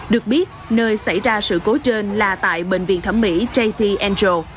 được biết nơi xảy ra sự cố trên là tại bệnh viện thẩm mỹ jt angel